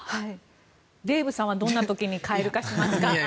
デーブさんはどんな時に蛙化しますか？